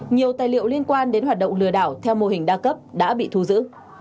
nhiều tài liệu liên quan đến hoạt động lừa đảo theo mô hình đa cấp đã bị thu giữ